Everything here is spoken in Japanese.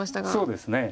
そうですね。